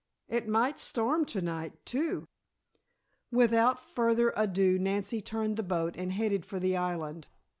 It might storm to night, too." Without further ado Nancy turned the boat and headed for the island.